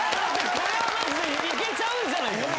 これはマジでいけちゃうんじゃないか？